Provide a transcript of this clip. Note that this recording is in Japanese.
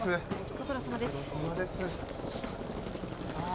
ご苦労さまです。ああ。